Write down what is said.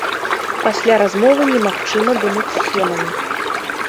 Пасля размовы немагчыма думаць схемамі.